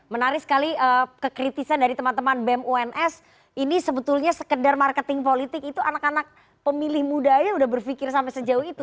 menarik sekali kekritisan dari teman teman bem uns ini sebetulnya sekedar marketing politik itu anak anak pemilih muda aja udah berpikir sampai sejauh itu